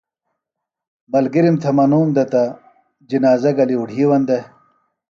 ملگِرِم تھےۡ منُوم دےۡ تہ جِنازہ گلیۡ اُڈھیوَن دےۡ